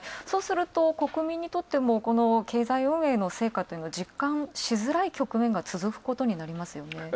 そうすると国民にとっても、この経済運営の成果というのは実感しづらい局面が続くことになりますよね。